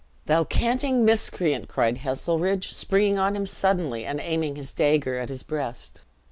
"Thou canting miscreant!" cried Heselrigge, springing on him suddenly, and aiming his dagger at his breast.